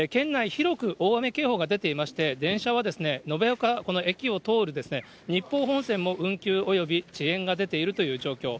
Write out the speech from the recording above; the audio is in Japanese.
広く大雨警報が出ていまして、電車は延岡、この駅を通る日豊本線も運休、および遅延が出ているという状況。